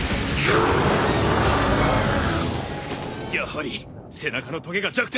やはり背中のトゲが弱点か。